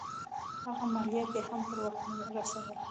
هغه مالیات یې هم پر وخت نه رسول.